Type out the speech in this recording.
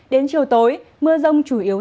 đến chiều tối mưa rông chủ yếu